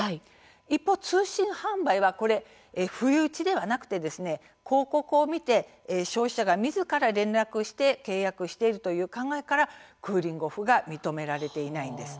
一方、通信販売は不意打ちではなくて広告を見て、消費者がみずから連絡をして契約をしているという考えからクーリング・オフが認められていないんです。